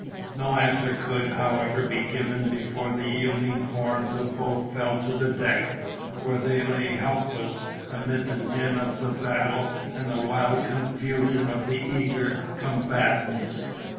No answer could, however, be given before the yielding forms of both fell to the deck, where they lay helpless, amid the din of the battle and the wild confusion of the eager combatants.